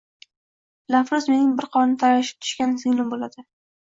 Dilafruz mening bir qorindan talashib tushgan singlim bo`ladi